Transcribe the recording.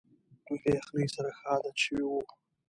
دوی له یخنۍ سره ښه عادت شوي وو.